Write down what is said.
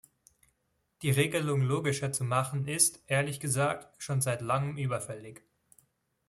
Die Regelung logischer zu machen ist, ehrlich gesagt, schon seit langem überfällig.